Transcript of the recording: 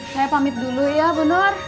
saya pamit dulu ya bu nur